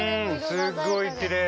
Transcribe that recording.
すごいきれい！